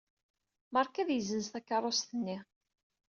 Marc ad yessenz takeṛṛust-nni.